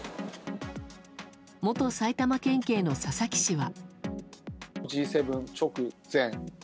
元埼玉県警の佐々木氏は。